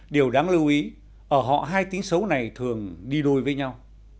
điều đáng lưu ý ở họ hai tính xấu này thường đi đôi với nhau